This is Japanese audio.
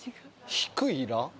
低い「ラ」？